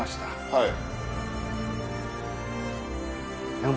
はい。